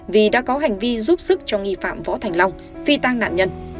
vì đã có hành vi giúp sức cho nghi phạm võ thành long phi tang nạn nhân